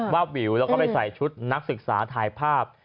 วาบวิวแล้วก็ไปใส่ชุดนักศึกษาถ่ายภาพ